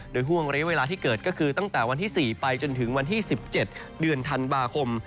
โดยห่วงระยะเวลาที่เกิดก็คือตั้งแต่วันที่๔ไปจนถึงวันที่๑๗เดือนธันวาคม